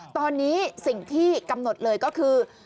ตอนนี้สิ่งที่กำหนดเลยก็คือ